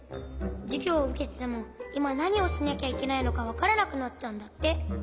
じゅぎょうをうけててもいまなにをしなきゃいけないのかわからなくなっちゃうんだって。